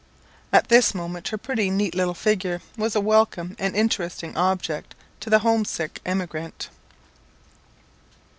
At this moment her pretty neat little figure was a welcome and interesting object to the home sick emigrant.